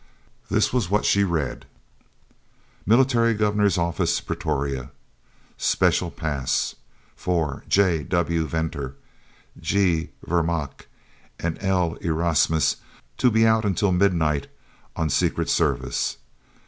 This was what she read: MILITARY GOVERNOR'S OFFICE, PRETORIA. Special Pass for J.W. Venter, G. Vermaak, and L. Erasmus to be out until midnight, on Secret Service.